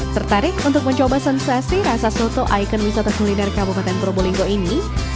tertarik untuk mencoba sensasi rasa soto ikon wisata kuliner kabupaten probolinggo ini